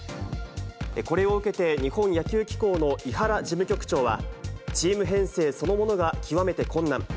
これを受けて、日本野球機構の井原事務局長は、チーム編成そのものが極めて困難。